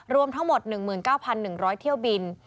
รวมทั้งหมด๑๙๑๐๐เที่ยวบิน